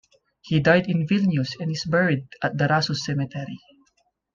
He died in Vilnius and is buried at the Rasos Cemetery.